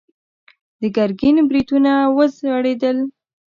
د ګرګين برېتونه وځړېدل.